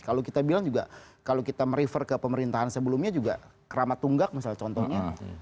kalau kita bilang juga kalau kita merefer ke pemerintahan sebelumnya juga keramat tunggak misalnya contohnya